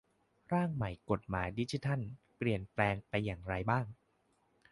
ร่างใหม่กฎหมายดิจิทัล เปลี่ยนแปลงไปอย่างไรบ้าง